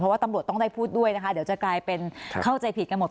ว่าตำรวจต้องได้พูดด้วยนะคะเดี๋ยวจะกลายเป็นเข้าใจผิดกันหมด